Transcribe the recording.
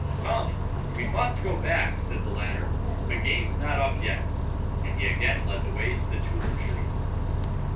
"Come! we must go back," said the latter, "the game's not up yet;" and he again led the way to the tulip tree.